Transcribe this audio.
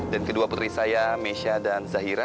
dan kedua putri saya misha dan zahira